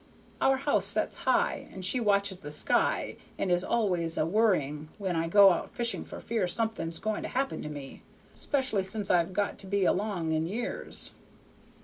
Our house sets high, and she watches the sky and is al'ays a worrying when I go out fishing for fear something's going to happen to me,' specially sence I've got to be along in years."